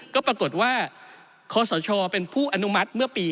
ก็ปรากฏว่าขอสเช่าเป็นผู้อนุมัติเมื่อปี๕๙